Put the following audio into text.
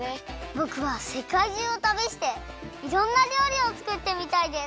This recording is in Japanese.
ぼくはせかいじゅうをたびしていろんなりょうりをつくってみたいです。